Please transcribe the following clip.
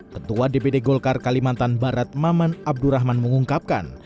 ketua dpd golkar kalimantan barat maman abdurrahman mengungkapkan